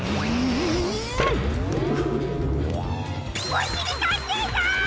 おしりたんていさん！